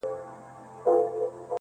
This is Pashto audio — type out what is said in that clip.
په هغه ورځې له تندي نه کډه بار کړله خال